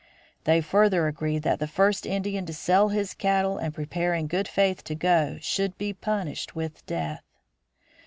They further agreed that the first Indian to sell his cattle and prepare in good faith to go should be punished with death.